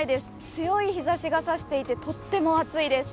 強い日ざしが差していてとっても暑いです。